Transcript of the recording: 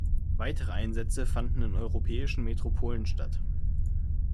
Weitere Einsätze fanden in europäischen Metropolen statt.